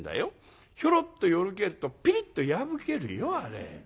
ひょろっとよろけるとぴりっと破けるよあれ。